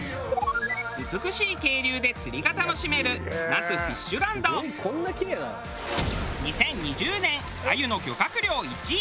美しい渓流で釣りが楽しめる２０２０年鮎の漁獲量１位。